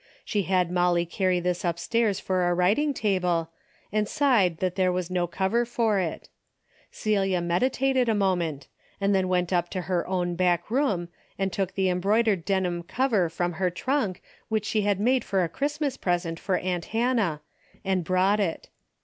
She had Molly carry this upstairs for a writ ing table, and sighed that there was no cover for it. Celia meditated a moment, and then went up to her own back room and took the embroidered denim cover from her trunk which she had made for a Christmas present for aunt Hannah and brought it.